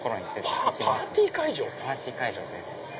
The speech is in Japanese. パーティー会場です。